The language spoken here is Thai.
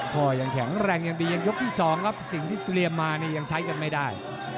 ก็ยังแข็งแรงยังดียังยกที่๒ครับสิ่งที่เตรียมมานี่ยังใช้กันไม่ได้